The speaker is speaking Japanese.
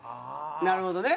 なるほどね。